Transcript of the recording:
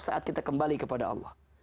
saat kita kembali kepada allah